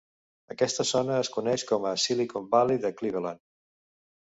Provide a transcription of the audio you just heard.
Aquesta zona es coneix com a Silicon Valley de Cleveland.